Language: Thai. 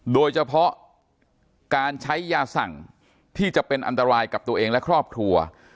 โดยเฉพาะการใช้ยาสั่งที่จะเป็นอันตรายกับตัวเองและครอบครัว